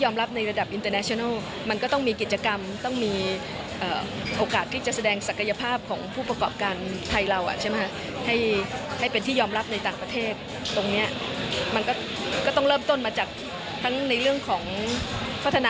มันต้องไปต่อเนื่องกัน